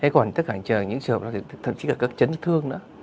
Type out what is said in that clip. còn tất cả những trường hợp đó thậm chí là các chấn thương